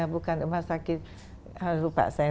bukan rumah sakit lupa saya